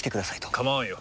構わんよ。